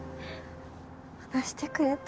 話してくれて。